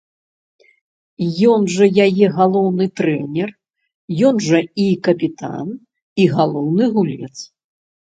Ён жа яе галоўны трэнер, ён жа і капітан, і галоўны гулец.